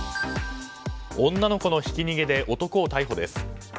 女の子のひき逃げで男を逮捕です。